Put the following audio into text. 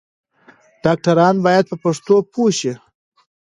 ډاکټران بايد په پښتو پوه شي.